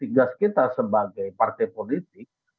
tugas kita sebagai partai politik